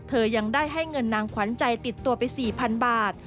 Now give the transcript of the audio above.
ยังได้ให้เงินนางขวัญใจติดตัวไป๔๐๐๐บาท